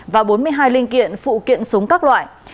và bốn mươi hai linh kiện phụ kiện súng các loại